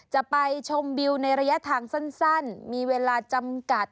จะไปชมวิวในระยะทางสั้นมีเวลาจำกัด